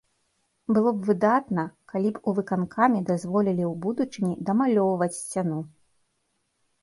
Было б выдатна, калі б у выканкаме дазволілі ў будучыні дамалёўваць сцяну.